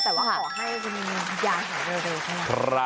แต่ว่าขอให้คุณอย่าห่ายเร็วนะครับ